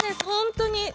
本当に！